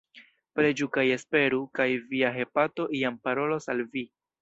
Preĝu kaj esperu, kaj Via hepato iam parolos al Vi.